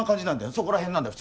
そこらへんなんだよ